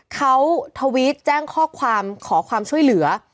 เขาทวิตแจ้งข้อความขอความช่วยเหลือ